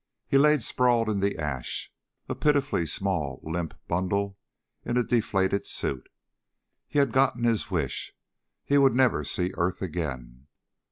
He lay sprawled in the ash, a pitifully small limp bundle in a deflated suit. He had gotten his wish he would never see earth again.